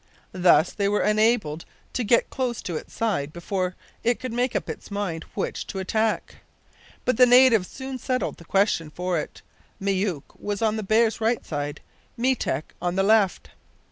Thus they were enabled to get close to its side before it could make up its mind which to attack. But the natives soon settled the question for it. Myouk was on the bear's right side, Meetek on its left.